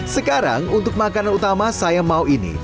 sekarang untuk makanan utama saya mau ini